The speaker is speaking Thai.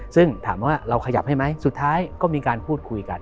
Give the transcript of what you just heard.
ซึ่งถามว่าเราขยับให้ไหมสุดท้ายก็มีการพูดคุยกัน